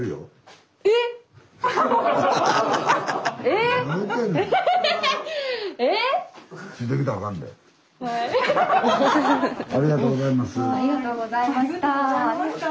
ええ⁉えっ⁉ありがとうございました。